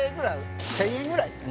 １０００円ぐらい？